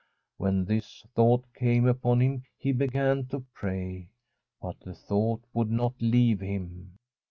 When this thought came upon him he began to pray; but the thought would not leave him.